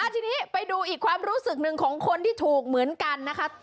ทีนี้ไปดูอีกความรู้สึกหนึ่งของคนที่ถูกเหมือนกันนะคะ